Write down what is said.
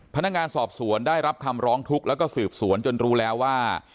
พนักงานสอบสวนได้รับคำร้องทุกข์แล้วก็สืบสวนจนรู้แล้วว่า